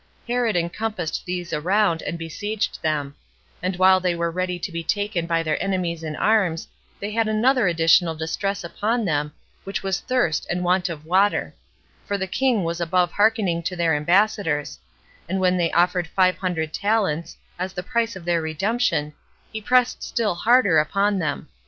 Herod encompassed these around, and besieged them; and while they were ready to be taken by their enemies in arms, they had another additional distress upon them, which was thirst and want of water; for the king was above hearkening to their ambassadors; and when they offered five hundred talents, as the price of their redemption, he pressed still harder upon them.